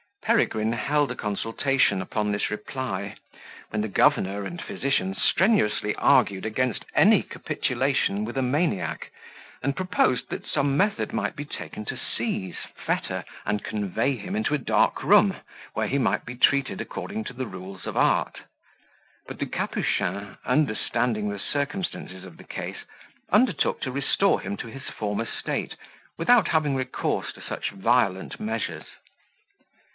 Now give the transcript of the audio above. Peregrine held a consultation upon this reply, when the governor and physician strenuously argued against any capitulation with a maniac, and proposed that some method might be taken to seize, fetter, and convey him into a dark room, where he might be treated according to the rules of art; but the Capuchin, understanding the circumstances of the case, undertook to restore him to his former state, without having recourse to such violent measures.